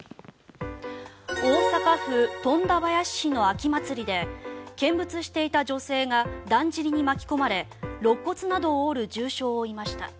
大阪府富田林市の秋祭りで見物していた女性がだんじりに巻き込まれろっ骨などを折る重傷を負いました。